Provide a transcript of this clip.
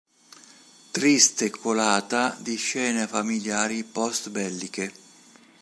Triste colata di scene familiari post-belliche.